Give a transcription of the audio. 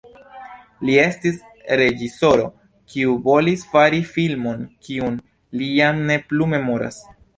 Mi estis reĝisoro kiu volis fari filmon kiun li jam ne plu memoras.